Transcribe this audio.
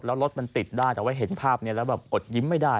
แล้วรถมันติดได้แต่ว่าเห็นภาพนี้แล้วแบบอดยิ้มไม่ได้